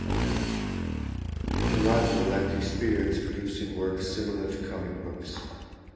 Curato lacked experience producing works similar to comic books.